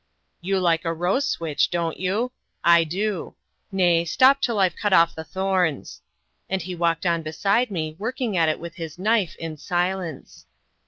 "You like a rose switch, don't you? I do. Nay, stop till I've cut off the thorns." And he walked on beside me, working at it with his knife, in silence.